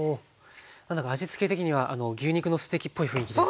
何だか味つけ的には牛肉のステーキっぽい雰囲気ですね。